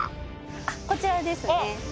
こちらですね。